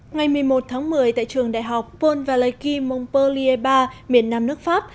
ngày một mươi một tháng một mươi tại trường đại học pont valais qui montpellier iii miền nam nước pháp